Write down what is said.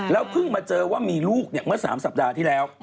เพิ่งมาเจอว่ามีลูกเมื่อ๓สัปดาห์ที่แล้ว